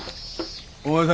お前さん